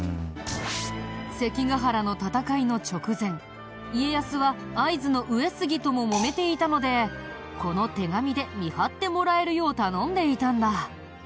関ヶ原の戦いの直前家康は会津の上杉とももめていたのでこの手紙で見張ってもらえるよう頼んでいたんだ。